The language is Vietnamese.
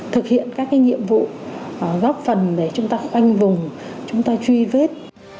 thực hiện các nhiệm vụ góp phần để chúng ta khoanh vùng chúng ta truy vết